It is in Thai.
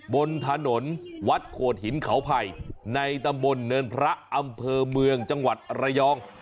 บนถนนวัดโขดหินเขาไผ่ในตำบลเนินพระอำเภอเมืองจังหวัดระยอง